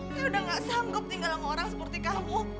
dia udah gak sanggup tinggal sama orang seperti kamu